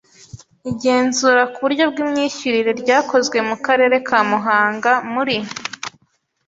Igenzura ku buryo bw Imyishyurire ryakozwe mu Karere ka Muhanga muri